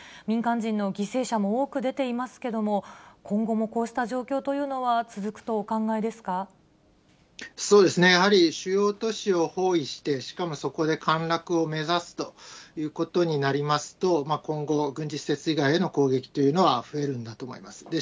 民間人の犠牲者も多く出ていますけども、今後もこうした状況といそうですね、やはり主要都市を包囲して、しかも、そこで陥落を目指すということになりますと、今後、軍事施設以外への攻撃というのは、増えるんだと思います。